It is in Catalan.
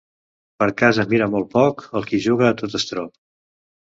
Per casa mira molt poc el qui juga a tot estrop.